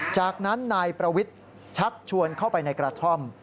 จากนั้นนายประวิทย์ชักชวนเข้าไปในกระท่อม